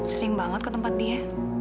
sering banget ke tempat dia